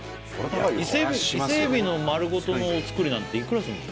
イセエビの丸ごとのお造りなんていくらするの？